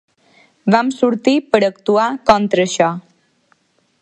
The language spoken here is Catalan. Vam sortir per actuar contra això.